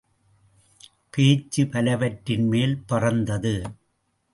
பேச்சு பலவற்றின் மேல் பறந்தது.